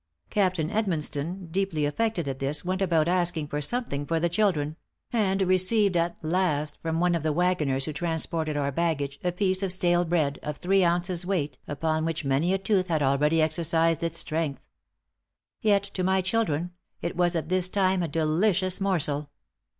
Captain Edmonstone, deeply affected at this, went about asking for something for the children; and received at last from one of the wagoners who transported our baggage, a piece of stale bread, of three ounces weight, upon which many a tooth had already exercised its strength. Yet to my children it was at this time a delicious morsel.